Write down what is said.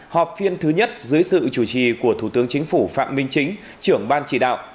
họp phiên thứ nhất dưới sự chủ trì của thủ tướng chính phủ phạm minh chính trưởng ban chỉ đạo